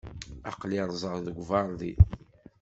Aql-i rrẓeɣ deg uberḍi.